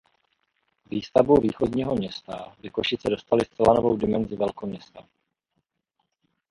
Výstavbou Východního Města by Košice dostaly zcela novou dimenzi velkoměsta.